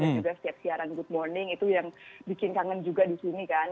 dan juga setiap siaran good morning itu yang bikin kangen juga di sini kan